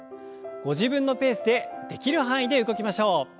ご自分のペースでできる範囲で動きましょう。